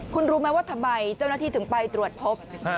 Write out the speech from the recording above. คุณรู้ไหมว่าทำไมเจ้าหน้าที่ถึงไปตรวจพบ